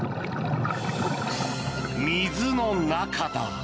水の中だ。